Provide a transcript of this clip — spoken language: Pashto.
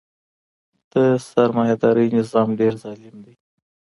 د سرمایه دارۍ نظام ډیر ظالم دی.